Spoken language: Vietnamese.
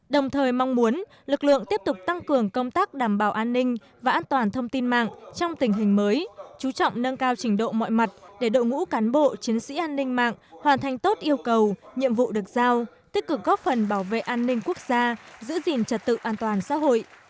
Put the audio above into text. đồng thời mong muốn lực lượng tiếp tục tăng cường công tác đảm bảo an ninh và an toàn thông tin mạng trong tình hình mới chú trọng nâng cao trình độ mọi mặt để đội ngũ cán bộ chiến sĩ an ninh mạng hoàn thành tốt yêu cầu nhiệm vụ được giao tích cực góp phần bảo vệ an ninh quốc gia giữ gìn trật tự an toàn xã hội